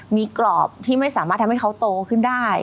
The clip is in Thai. มีกรอบที่ไม่สามารถทำให้เขาโตขึ้นได้